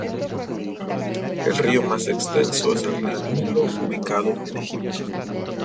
El río más extenso es el río Nilo, ubicado en Egipto.